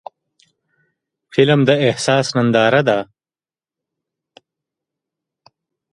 فلم د احساس ننداره ده